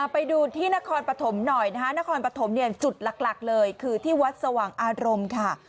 ไปดูที่นครปฐมหน่อยนะคะนครปฐมเนี่ยจุดหลักเลยคือที่วัดสว่างอารมณ์ค่ะ